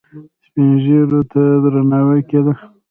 سپین ږیرو ته درناوی کیده